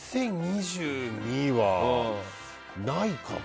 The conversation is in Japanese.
２０２２はないかな。